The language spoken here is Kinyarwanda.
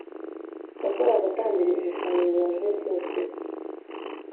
yakoraga atambira ibishushanyo bibajwe byose se